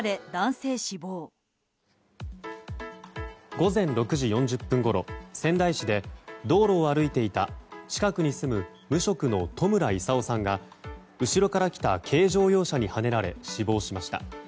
午前６時４０分ごろ仙台市で道路を歩いていた近くに住む無職の戸村勲さんが後ろから来た軽乗用車にはねられ死亡しました。